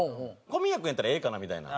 小宮君やったらええかなみたいな。